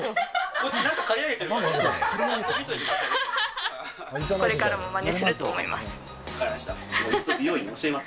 これからもまねすると思いま分かりました。